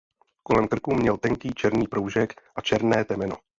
Kolem krku měl tenký černý proužek a černé temeno.